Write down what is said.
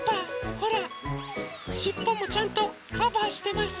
ほらしっぽもちゃんとカバーしてます。